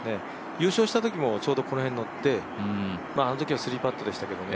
優勝したときもちょうどこれにのってあのときは３パットでしたけれども。